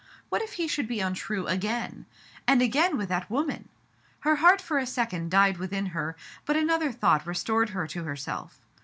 What if he should be untrue again ! And again with that woman ! Her heart for a second died within her, but another thought restored her to herself.